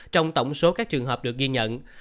trong tổng số các trường hợp được ghi nhận